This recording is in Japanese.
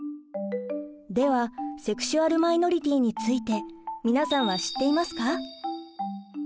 ではセクシュアル・マイノリティーについて皆さんは知っていますか？